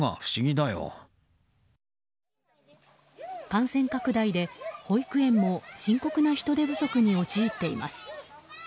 感染拡大で保育園も深刻な人手不足に陥っています。